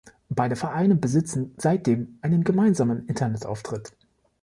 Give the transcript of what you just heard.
Beide Vereine besitzen seitdem einen gemeinsamen Internetauftritt.